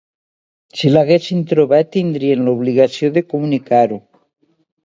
Si l’haguessin trobat, tindrien l’obligació de comunicar-ho.